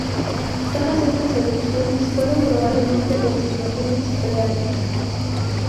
Todas estas erupciones fueron probablemente explosiones freáticas.